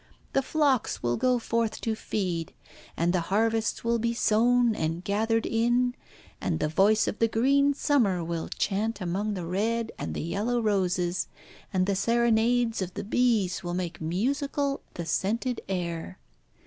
The flocks will go forth to feed, and the harvests will be sown and gathered in, and the voice of the green summer will chant among the red and the yellow roses, and the serenades of the bees will make musical the scented air.